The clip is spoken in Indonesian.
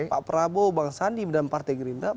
pak prabowo bang sandi dan partai gerindra